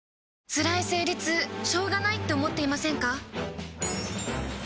つらい生理痛しょうがないって思っていませんか？